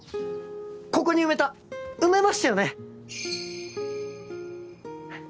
ここに埋めた埋めましたよね？